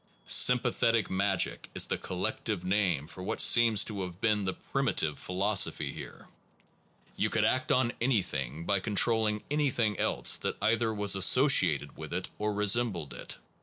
Sympathetic magic* is the collective name for what seems to have been the primitive philosophy here. You could act on anything by controlling anything else that either was associated with it or resembled it.